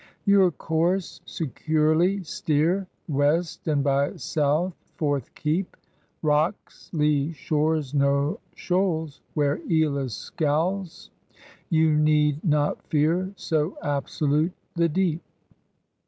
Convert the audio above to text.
Your course securely steer. West and by South forth keep; Bocks, lee shores nor shoals. Where Eolus scowls. You need not fear, So absolute the deep.